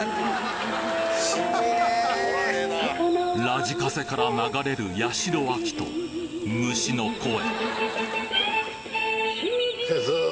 ラジカセから流れる八代亜紀と虫の声